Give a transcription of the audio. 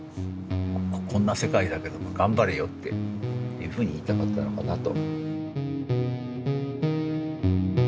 こんな世界だけども頑張れよ」っていうふうに言いたかったのかなと。